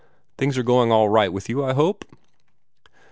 "Things are going all right with you, I hope."